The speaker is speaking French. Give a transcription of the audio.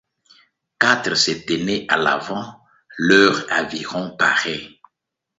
Quatre se tenaient à l’avant, leurs avirons parés.